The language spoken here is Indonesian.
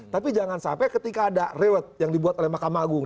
tapi jangan sampai ketika ada rewet yang dibuat oleh mahkamah agung